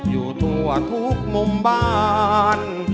อยู่ทั่วทุกมุมบ้าน